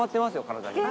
体に。